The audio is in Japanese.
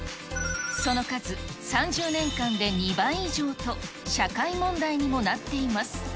その数３０年間で２倍以上と、社会問題にもなっています。